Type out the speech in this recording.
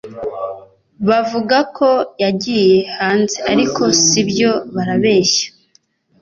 bavugako yagiye hanze ariko sibyo barabeshya